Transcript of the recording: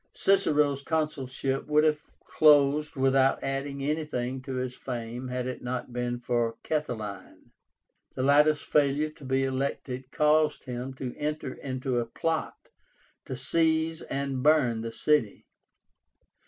Cicero's consulship would have closed without adding anything to his fame had it not been for Catiline. The latter's failure to be elected caused him to enter into a plot to seize and burn the city.